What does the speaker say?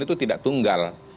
itu tidak tunggal